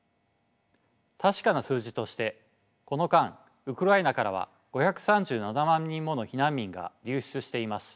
確かな数字としてこの間ウクライナからは５３７万人もの避難民が流出しています。